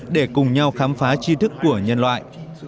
để cùng nhau khám phá chi thức của nhân loại